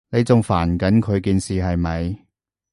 你仲煩緊佢件事，係咪？